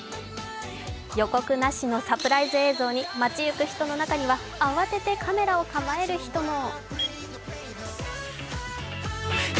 予告なしのサプライズ映像に街行く人の中には慌ててカメラを構える人も。